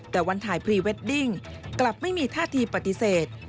แต่วันถ่ายพรีเวดดิ้งกลับไม่มีท่าทีปฏิเสธ